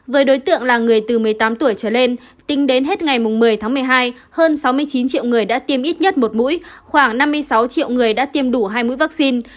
với đối tượng là người từ một mươi tám tuổi trở lên tính đến hết ngày một mươi tháng một mươi hai hơn sáu mươi chín triệu người đã tiêm ít nhất một mũi khoảng năm mươi sáu triệu người đã tiêm đủ hai mũi vaccine